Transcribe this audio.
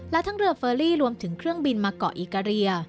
และทั้งเรือเฟอรี่รวมถึงเครื่องบินมาเกาะอิกาเรีย